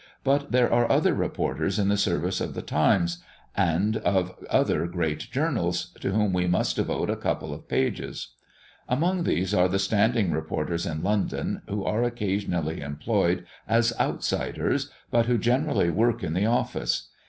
But there are other reporters in the service of the Times and of other great journals, to whom we must devote a couple of pages. Among these are the standing reporters in London, who are occasionally employed as "outsiders," but who generally work in the office.